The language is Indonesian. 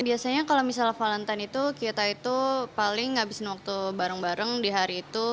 biasanya kalau misalnya valentine itu kita itu paling ngabisin waktu bareng bareng di hari itu